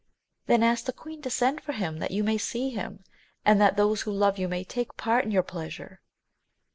Then ask the queen to send for him that you may see him, and that those who love you may take part in your pleasure.